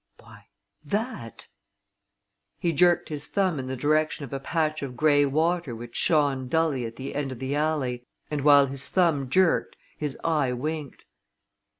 Why that!" He jerked his thumb in the direction of a patch of grey water which shone dully at the end of the alley and while his thumb jerked his eye winked.